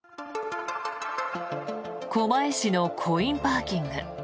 狛江市のコインパーキング。